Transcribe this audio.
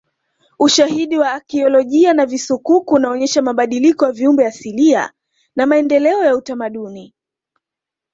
Ushahidi wa akiolojia na visukuku unaonesha mabadiliko ya viumbe asilia na maendeleo ya utamaduni